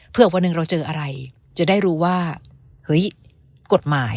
เพื่อวันหนึ่งเราเจออะไรจะได้รู้ว่าเฮ้ยกฎหมาย